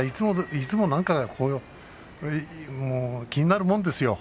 いつも何か気になるものですよ